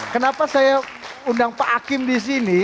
kenapa saya undang pak hakim di sini